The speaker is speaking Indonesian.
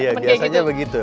iya biasanya begitu